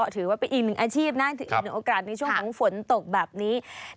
ถือว่าเป็นอีกหนึ่งอาชีพนะอีกหนึ่งโอกาสในช่วงของฝนตกแบบนี้